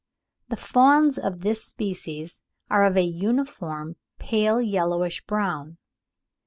The fawns of this species are of a uniform pale yellowish brown.